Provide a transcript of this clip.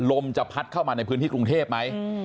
ลมจะพัดเข้ามาในพื้นที่กรุงเทพไหม